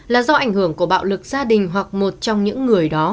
là do ảnh hưởng của bạo lực gia đình hoặc một trong những người đó